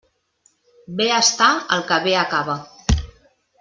Bé està el que bé acaba.